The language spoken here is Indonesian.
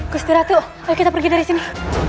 gusti ratu ayo kita pergi dari sini